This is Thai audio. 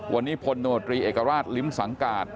วันนี้พลตำรวจงานหน้ารถลิฟต์สังกาศ